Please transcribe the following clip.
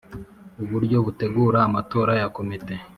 uburyo butegura amatora ya Komite